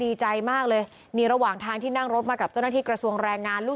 ดีใจมากเลยระหว่างที่นั่งรถกับกระทรวงแรงงาน